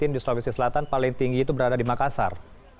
di sulawesi selatan paling tinggi itu berada di makassar